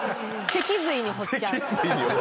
脊髄に彫っちゃう。